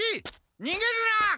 にげるな！